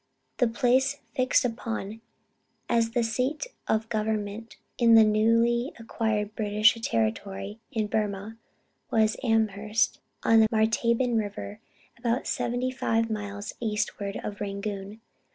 The place fixed upon as the seat of government in the newly acquired British territory in Burmah, was Amherst, on the Martaban river, about 75 miles eastward of Rangoon.